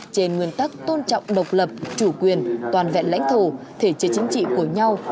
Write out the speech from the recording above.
trên nguyên tắc tôn trọng độc lập chủ quyền toàn vẹn lãnh thổ thể chế chính trị của nhau